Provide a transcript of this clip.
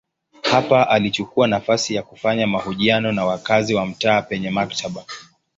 Hapa alichukua nafasi ya kufanya mahojiano na wakazi wa mtaa penye maktaba.